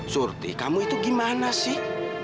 surti kamu itu gimana sih